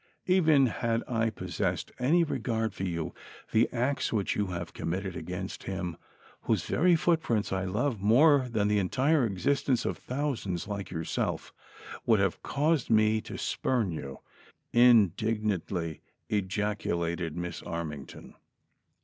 Even had I possessed any regard for you, the acts which you have committed against him whose very footprints I love more than the entire existence of thousands like yourself, would have caused me to spurn you," indignantly ejaculated Miss Armington.